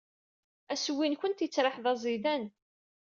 Assewwi-nwent yettraḥ d aẓidan.